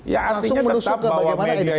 langsung menusuk ke bagaimana editorial ada masalah